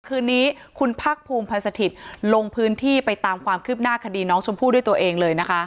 คืนนี้คุณภาคภูมิพันธ์สถิตย์ลงพื้นที่ไปตามความคืบหน้าคดีน้องชมพู่ด้วยตัวเองเลยนะคะ